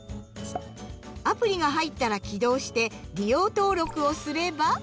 アプリが入ったら起動して「利用登録」をすれば。